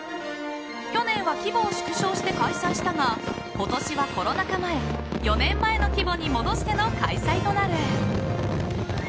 去年は規模を縮小して開催したが今年はコロナ禍前４年前の規模に戻しての開催となる。